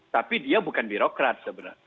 tapi dia bukan birokrat sebenarnya